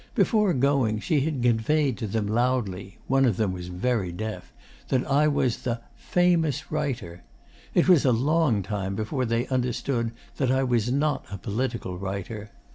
Before going she had conveyed to them loudly one of them was very deaf that I was "the famous writer." It was a long time before they understood that I was not a political writer.